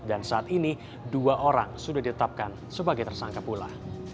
dan saat ini dua orang sudah ditetapkan sebagai tersangka pula